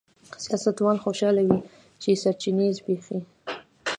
سیاستوال خوشاله وي چې سرچینې زبېښي.